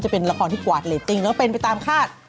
เป็นละครที่กวาดเรตติ้งแล้วก็เป็นไปตามคาด